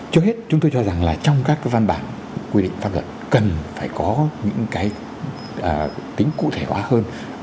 trước hết chúng tôi cho rằng là trong các cái văn bản quy định pháp luật cần phải có những cái tính cụ thể hóa hơn